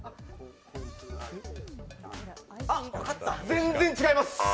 全然違います！